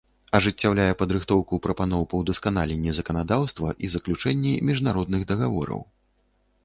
Ажыццяўляе падрыхтоўку прапаноў па ўдасканаленнi заканадаўства i заключэннi мiжнародных дагавораў.